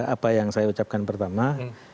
apa yang saya ucapkan pertama